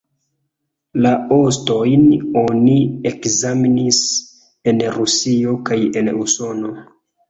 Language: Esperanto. La ostojn oni ekzamenis en Rusio kaj en Usono.